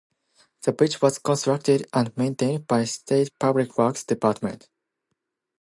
The bridge was constructed and maintained by State Public Works Department.